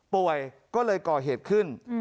ป่วยก็เลยก่อเหตุขึ้น